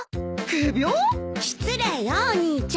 失礼よお兄ちゃん。